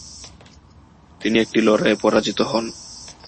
তিনি একটি লড়াইয়ে পরাজিত হন।